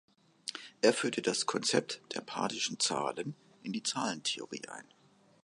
Er führte das Konzept der p-adischen Zahlen in die Zahlentheorie ein.